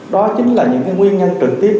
đó chính là những nguyên nhân trực tiếp